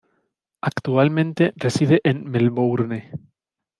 Actualmente reside en Melbourne.